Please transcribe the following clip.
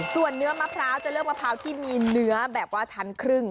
ส่วนเนื้อมะพร้าวจะเลือกมะพร้าวที่มีเนื้อแบบว่าชั้นครึ่ง